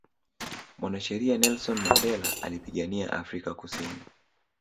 mwanasheria nelson mandela alipigania Afrika kusini